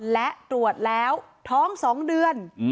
และตรวจแล้วท้อง๒เดือน